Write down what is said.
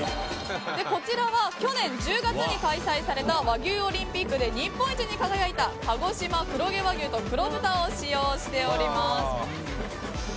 こちらは去年１０月に開催された和牛オリンピックで日本一に輝いた鹿児島黒毛和牛と黒豚を使用しております。